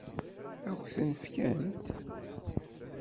Ad k-ten-fkent?